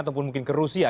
ataupun mungkin ke rusia